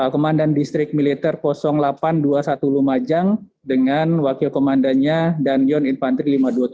komandan distrik militer delapan ratus dua puluh satu lumajang dengan wakil komandannya dan yon infantri lima ratus dua puluh tujuh